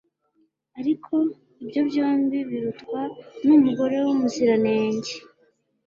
ariko ibyo byombi birutwa n'umugore w'umuziranenge